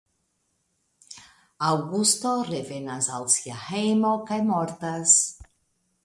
Aŭgusto revenas al sia hejmo kaj mortas.